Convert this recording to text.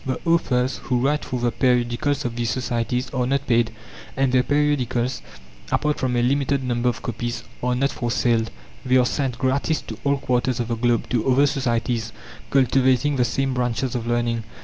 The authors who write for the periodicals of these societies are not paid, and the periodicals, apart from a limited number of copies, are not for sale; they are sent gratis to all quarters of the globe, to other societies, cultivating the same branches of learning.